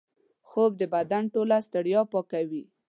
خوب د بدن ټوله ستړیا پاکوي